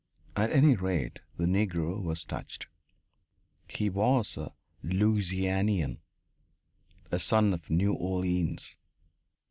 At any rate, the Negro was touched he was a Louisianian, a son of New Orleans.